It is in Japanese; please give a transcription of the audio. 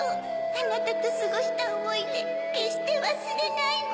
あなたとすごしたおもいでけっしてわすれないわ。